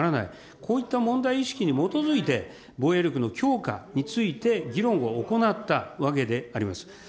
こういった問題意識に基づいて、防衛力の強化について議論を行ったわけであります。